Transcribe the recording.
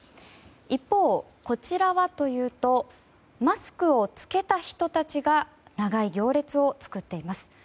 一方、こちらはというとマスクを着けた人たちが長い行列を作っています。